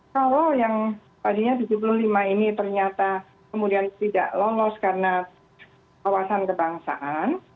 kalau yang tadinya tujuh puluh lima ini ternyata kemudian tidak lolos karena kawasan kebangsaan